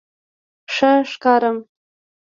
_ښه ښکارم؟